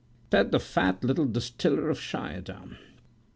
said the fat little distiller of Schiedam.